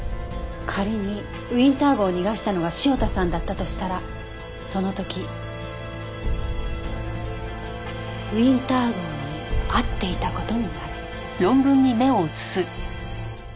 仮にウィンター号を逃がしたのが潮田さんだったとしたらその時ウィンター号に会っていた事になる。